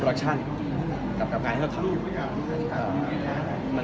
โปรดัคชั่นกับงานที่เราทำ